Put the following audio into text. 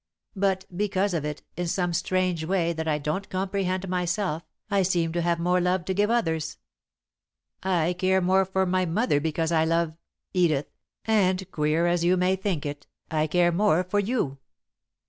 But, because of it, in some strange way that I don't comprehend myself, I seem to have more love to give others. [Sidenote: He States His Case] "I care more for my mother because I love Edith, and, queer as you may think it, I care more for you.